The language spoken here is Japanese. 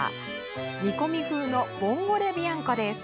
煮込み風のボンゴレビアンコです。